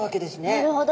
なるほど。